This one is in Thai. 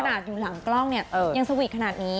ขนาดอยู่หลังกล้องเนี่ยยังสวีทขนาดนี้